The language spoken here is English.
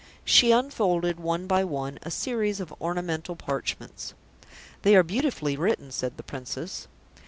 She unfolded, one by one, a series of ornamental parchments. "They are beautifully written," said the Princess.